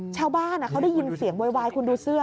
ชาวบ้านเขาได้ยินเสียงโวยวายคุณดูเสื้อ